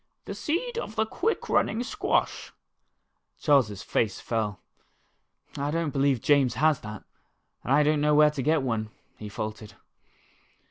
"The seed of the quick running squash." Charles's face fell. " I don't believe James has that, and I don't know where to get one," he faltered.